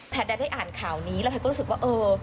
แพทย์ใด้อ่านข่าวนี้แล้วก็รู้สึกว่า